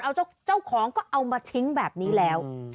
เอาเจ้าของก็เอามาทิ้งแบบนี้แล้ว